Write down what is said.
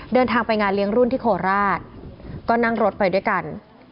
เดินทางไปงานเลี้ยงรุ่นที่โคราชก็นั่งรถไปด้วยกัน